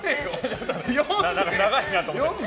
長いなと思って。